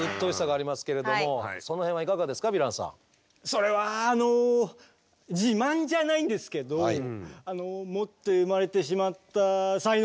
それはあの自慢じゃないんですけど持って生まれてしまった才能？